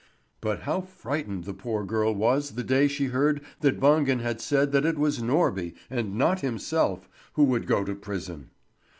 But how frightened the poor girl was the day she heard that Wangen had said that it was Norby, and not himself, who would go to prison.